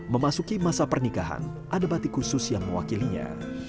memasuki masa pernikahan ada batik khusus yang mewakilinya